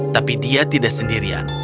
tapi dia tidak sendirian